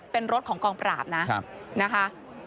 ๙๙๗๘เป็นรถของกองปราบนะคะ